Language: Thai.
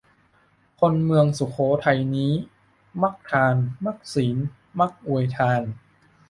คนเมืองสุโขทัยนี้ มักทาน มักศีล มักอวยทาน